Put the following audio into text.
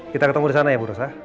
kita ketemu di sana ya bu rosa